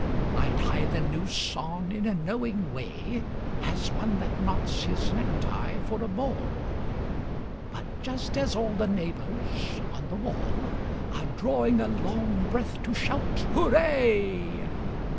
I tie the noose on in a knowing way As one that knots his necktie for a ball; But just as all the neighbours on the wall Are drawing a long breath to shout 'Hurray!'